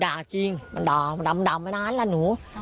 ด่าจริงด่ามานานแล้วหนู